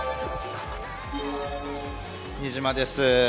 新島です。